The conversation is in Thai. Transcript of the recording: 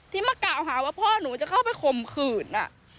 มากล่าวหาว่าพ่อหนูจะเข้าไปข่มขืน